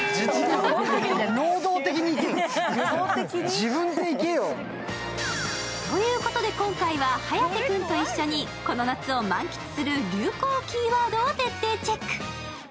自分で行けよ。ということで今回は、颯君と一緒に、この夏を満喫する流行キーワードを徹底チェック。